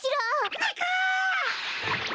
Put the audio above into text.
ってか？